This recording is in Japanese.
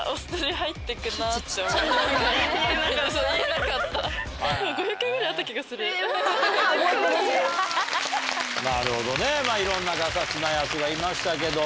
なるほどねいろんなガサツなヤツがいましたけど。